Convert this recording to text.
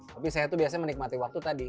tapi saya tuh biasanya menikmati waktu tadi